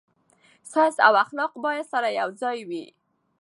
ساينس او اخلاق باید سره یوځای وي.